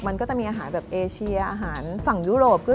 มันก็จะมีอาหารแบบเอเชียอาหารฝั่งยุโรป